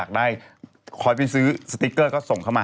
ได้คอยไปซื้อสติ๊กเกอร์ก็ส่งเข้ามา